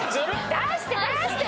出して出して！